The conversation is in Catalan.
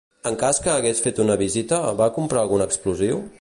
En cas que hagués fet una visita, va comprar algun explosiu?